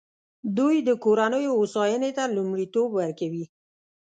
دوی د کورنیو هوساینې ته لومړیتوب ورکوي.